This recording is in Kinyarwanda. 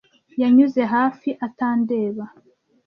Yanyuze hafi atandeba.